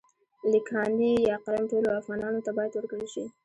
لیکانی يا قلم ټولو افغانانو ته باید ورکړل شي.